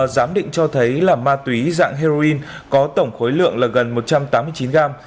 giám định cho thấy là ma túy dạng heroin có tổng khối lượng là gần một trăm tám mươi chín gram